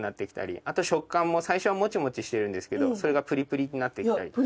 あと食感も最初はもちもちしてるんですけどそれがぷりぷりになってきたり。